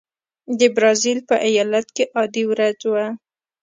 د برازیل په ایالت کې عادي ورځ وه.